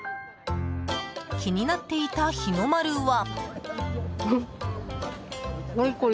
気になっていた日の丸は。